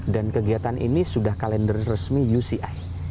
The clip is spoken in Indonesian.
dan kegiatan ini sudah kalender resmi uci